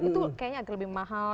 itu kayaknya agak lebih mahal